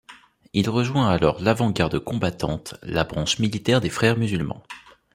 Il rejoint alors l'Avant-Garde combattante, la branche militaire des Frères musulmans.